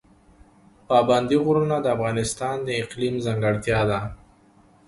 پابندی غرونه د افغانستان د اقلیم ځانګړتیا ده.